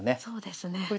そうですね。